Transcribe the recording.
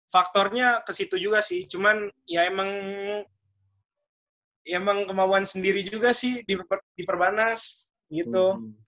faktornya ke situ juga sih cuman ya emang kemauan sendiri juga sih di perbanas gitu